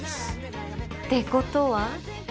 ってことは？